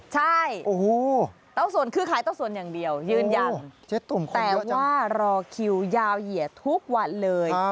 ใช่เต้าสนคือขายเต้าสนอย่างเดียวยืนยันแต่ว่ารอคิวยาวเหยียดทุกวันเลย